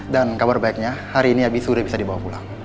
dan kabar baiknya hari ini abi sudah bisa dibawa pulang